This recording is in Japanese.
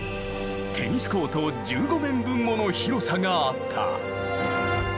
テニスコート１５面分もの広さがあった。